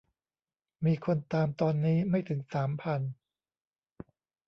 มีคนตามตอนนี้ไม่ถึงสามพัน